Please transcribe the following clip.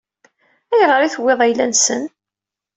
Ayɣer i tewwiḍ ayla-nsen?